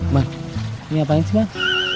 mak ini apaan sih mak